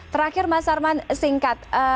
terakhir mas arman singkat